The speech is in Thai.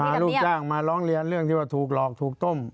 ลูกจ้างมาร้องเรียนเรื่องที่ว่าถูกหลอกถูกต้ม